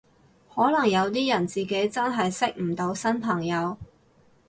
可能有啲人自己真係識唔到新朋友